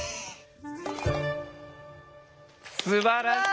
すばらしい！